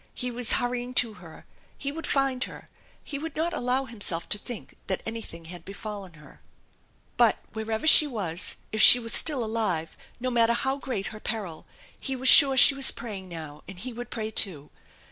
He was hurrying to her! He would find her! He would not allow himself to think that anything had befallen her. But wherever she was, if she was still alive, no matter how great her peril, he was sure she was praying now, and he would pray too